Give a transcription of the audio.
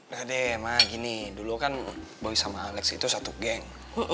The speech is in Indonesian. udah deh mah gini dulu kan boy sama alex itu satu geng